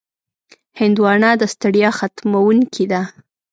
هندوانه د ستړیا ختموونکې ده.